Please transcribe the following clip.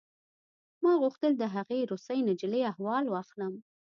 ما غوښتل د هغې روسۍ نجلۍ احوال واخلم